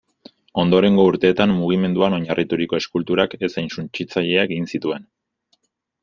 Ondorengo urteetan mugimenduan oinarrituriko eskulturak, ez hain suntsitzaileak, egin zituen.